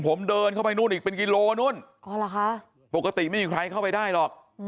ผมเดินเข้าไปนู่นอีกเป็นกี่โลนูนพอว่ะค่ะปกติมีใครเข้าไปได้หรอก